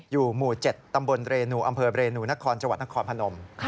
อยู่หมู่๗ตำบลเรนุอำเภอเรนุนักคอนจังหวัดนักคอนพนม